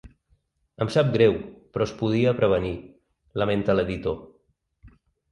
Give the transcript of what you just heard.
Em sap greu, però es podia prevenir, lamenta l’editor.